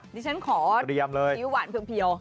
ดิฉันขอชีวิตหวานเพียว